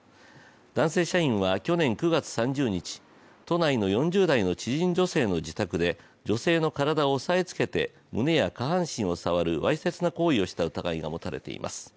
男性社員は去年９月３０日都内の４０代の知人女性の家で女性の体を押さえつけて胸や下半身を触るわいせつな行為をした疑いが持たれています。